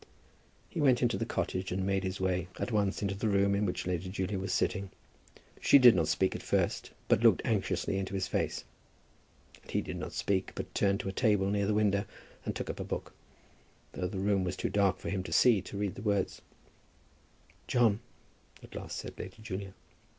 He went into the cottage and made his way at once into the room in which Lady Julia was sitting. She did not speak at first, but looked anxiously into his face. And he did not speak, but turned to a table near the window and took up a book, though the room was too dark for him to see to read the words. "John," at last said Lady Julia.